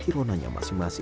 komponen yang baru tercapai